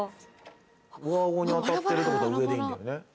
上顎に当たってるってことは上でいいんだよね。